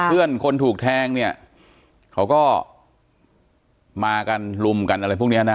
เพื่อนคนถูกแทงเนี่ยเขาก็มากันลุมกันอะไรพวกนี้นะ